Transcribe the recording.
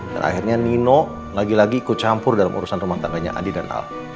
dan akhirnya nino lagi lagi ikut campur dalam urusan rumah tangganya andi dan al